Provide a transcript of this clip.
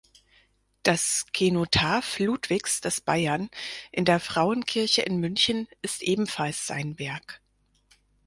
Das Kenotaph Ludwigs des Bayern in der Frauenkirche in München ist ebenfalls sein Werk.